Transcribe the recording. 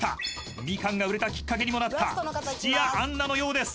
［みかんが売れたきっかけにもなった土屋アンナのようです］